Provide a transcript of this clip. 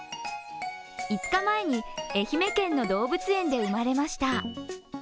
５日前に愛媛県の動物園で生まれました。